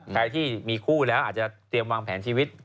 ใครที่มีคู่แล้วอาจจะเตรียมวางแผนชีวิต